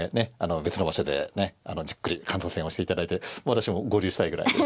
別の場所でねじっくり感想戦をしていただいて私も合流したいぐらいです。